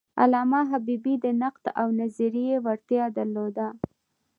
علامه حبیبي د نقد او نظریې وړتیا درلوده.